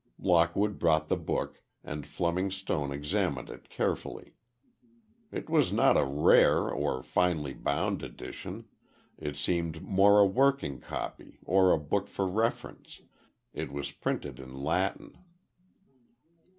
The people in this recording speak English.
Lockwood brought the book and Fleming Stone examined it carefully. It was not a rare or finely bound edition, it seemed more a working copy or a book for reference. It was printed in Latin.